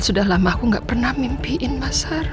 sudah lama aku gak pernah mimpiin mas har